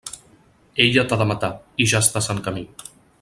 Ella t'ha de matar, i ja estàs en camí.